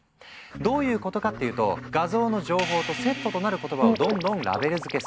どういうことかっていうと画像の情報とセットとなる言葉をどんどんラベル付けする。